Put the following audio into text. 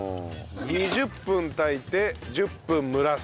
２０分炊いて１０分蒸らす。